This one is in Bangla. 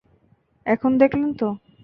এখন দেখলেন তো?